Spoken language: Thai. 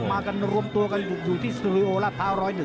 มากันรวมตัวกันอยู่ที่สุริโอลาภา๑๐๑